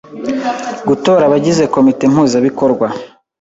Gutora abagize Komite Mpuzabikorwa;